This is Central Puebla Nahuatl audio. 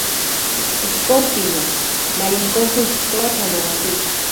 Ijkon, pinotl, maya ijkon ken kijtoa tlanauatili.